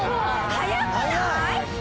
早くない？